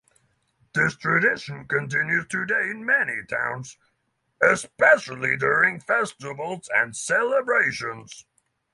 This tradition continues today in many towns, especially during festivals and celebrations.